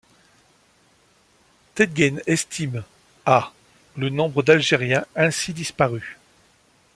Teitgen estime à le nombre d'Algériens ainsi disparus.